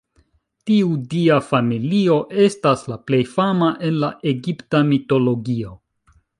Tiu dia familio estas la plej fama en la egipta mitologio.